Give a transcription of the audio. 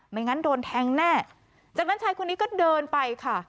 งั้นโดนแทงแน่จากนั้นชายคนนี้ก็เดินไปค่ะ